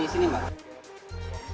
di sini mbak